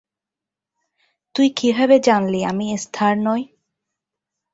তুই কীভাবে জানলি আমি এস্থার নই?